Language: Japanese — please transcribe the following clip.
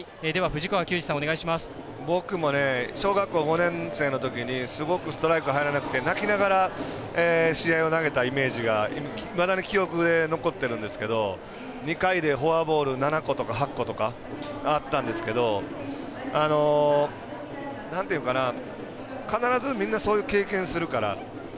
僕も、小学校５年生のときにすごくストライク、入らなくて泣きながら試合を投げたイメージがいまだに記憶で残ってるんですけど２回でフォアボール７個とか８個とかあったんですけど必ずみんなそういう経験するから。